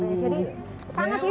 jadi sangat hidup suasana ini